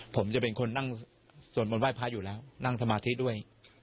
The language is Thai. ผมจะเป็นคนนั่งสวดมนต์ไห้พระอยู่แล้วนั่งสมาธิด้วย